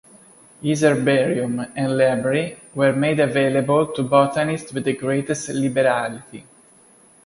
His herbarium and library were made available to botanists with the greatest liberality.